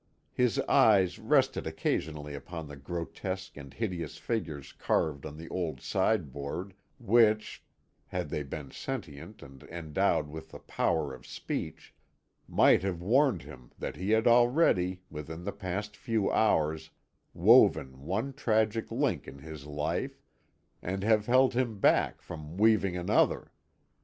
His eyes rested occasionally upon the grotesque and hideous figures carved on the old sideboard, which, had they been sentient and endowed with the power of speech, might have warned him that he had already, within the past few hours, woven one tragic link in his life, and have held him back from weaving another.